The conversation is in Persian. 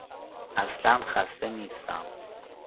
اصلا خسته نیستم.